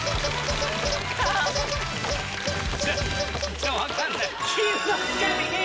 ちょっと分かんない。